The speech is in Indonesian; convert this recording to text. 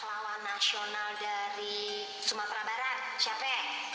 lawan nasional dari sumatera barat siapa